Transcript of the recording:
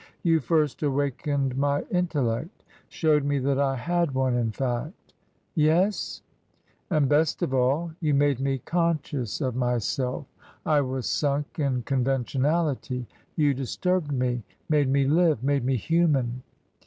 " You first awakened my intellect — showed me that I had one, in fact." " Yes ?"" And best of all, you made me conscious of myself. 5* 54 TRANSITION, I was sunk in conventionality. You disturbed me — made me live — made me human."